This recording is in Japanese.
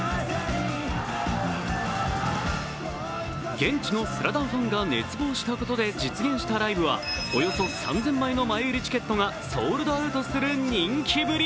現地の「スラダン」ファンが熱望したことで実現したライブはおよそ３０００枚の前売りチケットがソールドアウトする人気ぶり。